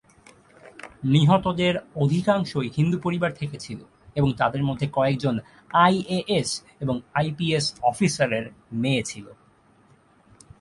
নিহতদের অধিকাংশই হিন্দু পরিবার থেকে ছিল এবং তাদের মধ্যে কয়েকজন আইএএস এবং আইপিএস অফিসারের মেয়ে ছিল।